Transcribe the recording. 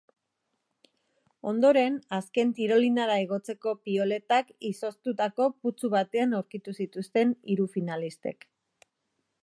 Ondoren, azken tirolinara igotzeko pioletak izoztutako putzu batean aurkitu zituzten hiru finalistek.